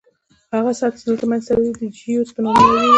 هغه سطح چې دلته منځ ته راځي د جیوئید په نوم یادیږي